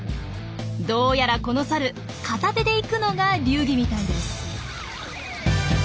どうやらこのサル片手でいくのが流儀みたいです。